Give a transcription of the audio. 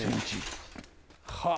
はあ。